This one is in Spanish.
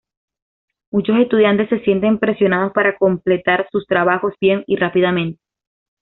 Muchos estudiantes se sienten presionados para completar sus trabajos bien y rápidamente.